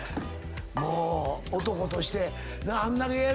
もう男としてあんなにええ